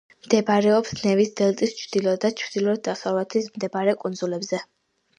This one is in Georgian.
მდებარეობს ნევის დელტის ჩრდილო და ჩრდილო-დასავლეთით მდებარე კუნძულებზე.